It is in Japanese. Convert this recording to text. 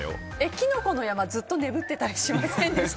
きのこの山ずっとねぶってたりしませんでした？